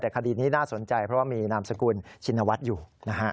แต่คดีนี้น่าสนใจเพราะว่ามีนามสกุลชินวัฒน์อยู่นะฮะ